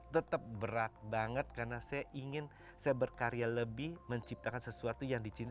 tetap berat banget karena saya ingin saya berkarya lebih menciptakan sesuatu yang dicintai